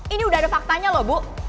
ini udah ada faktanya loh bu